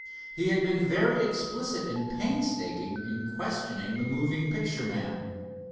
He had been very explicit and painstaking in questioning the moving picture man.